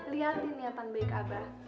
liatin niatan baik abah